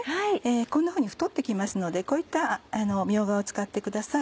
こんなふうに太って来ますのでこういったみょうがを使ってください。